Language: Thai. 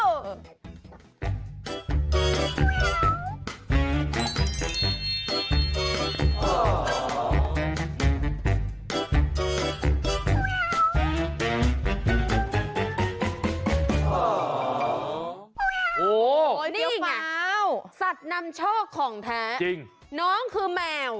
โอ้โฮเดี๋ยวฟ้าวนี่อีกสัตว์นำโชคของแท้น้องคือแมว